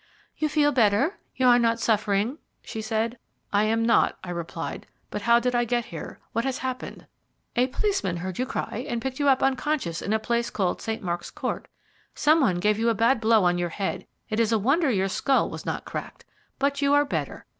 "You feel better? You are not suffering?" she said. "I am not," I replied; "but how did I get here? What has happened?" "A policeman heard you cry and picked you up unconscious in a place called St. Mark's Court. Some one gave you a bad blow on your head it is a wonder your skull was not cracked, but you are better.